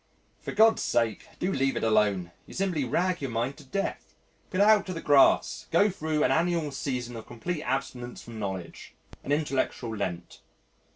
"For God's sake, do leave it alone you simply rag your mind to death. Put it out to grass go thro' an annual season of complete abstinence from knowledge an intellectual Lent."